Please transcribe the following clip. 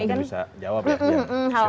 mungkin bisa jawab ya